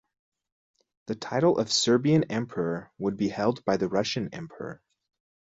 The title of Serbian emperor would be held by the Russian emperor.